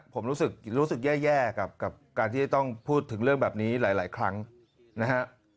ผมรู้สึกแย่กับการที่จะต้องพูดถึงเรื่องแบบนี้หลายครั้งนะฮะ